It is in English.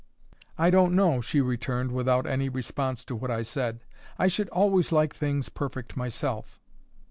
"I don't know," she returned, without any response to what I said. "I should always like things perfect myself."